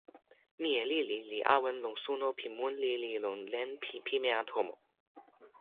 mije lili li awen lon suno pi mun lili lon len pi pimeja tomo.